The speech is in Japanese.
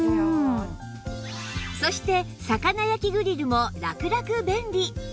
そして魚焼きグリルもラクラク便利